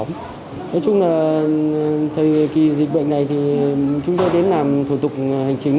nói chung là thời kỳ dịch bệnh này thì chúng tôi đến làm thủ tục hành chính